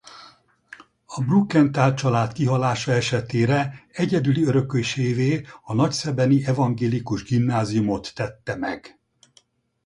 A Brukenthal család kihalása esetére egyedüli örökösévé a nagyszebeni evangélikus gimnáziumot tette meg.